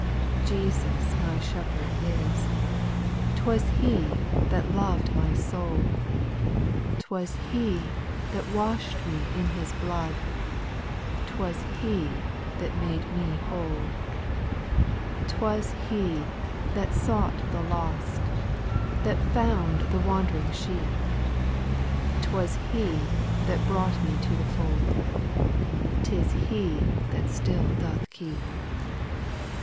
8. Jesus my Shepherd is, — 'Twas He that lov'd my soul, SPIRITUAL SONGS. 11 'T was He that wash'd me in His blood, 'T was He that made me whole. 7. 'T was He that sought the lost, That found the wand'ring sheep, 'T was He that brought me to the fold, 'T is He that still doth keep.